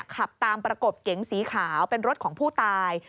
ขับตามประกบเก๋งสีขาวเป็นรถของผู้ตาย